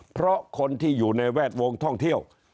เพราะคนที่อยู่ในแวดวงท่องเที่ยว